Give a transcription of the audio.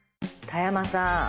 田山さん